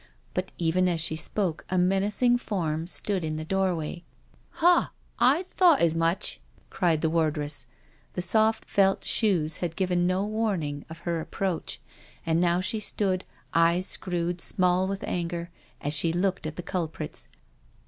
But even as she spoke a menacing form stood in the doorway :" HaT I thought as much," cried the wardress. The soft, felt shoes had given no warning of her approach, and now she stood, eyes screwed small with anger, as she looked at the culprits.